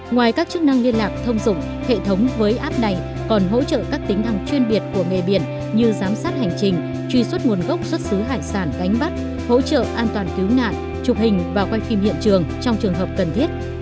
ngoài các chức năng liên lạc thông dụng hệ thống với app này còn hỗ trợ các tính năng chuyên biệt của nghề biển như giám sát hành trình truy xuất nguồn gốc xuất xứ hải sản cánh bắt hỗ trợ an toàn cứu nạn chụp hình và quay phim hiện trường trong trường hợp cần thiết